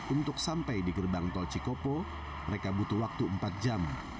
untuk sampai di gerbang tol cikopo mereka butuh waktu empat jam